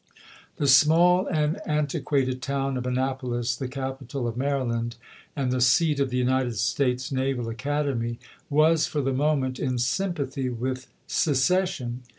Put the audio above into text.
The small and antiquated town of Annapolis, the capital of Maryland and the seat of the United States Naval Academy, was for the moment in sympathy with secession.